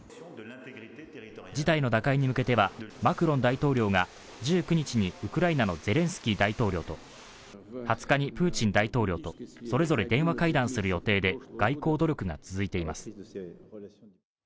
事態の打開に向けてはマクロン大統領が１９日にウクライナのゼレンスキー大統領と、２０日にプーチン大統領とそれぞれ電話会談する予定で、外交努力が続いています。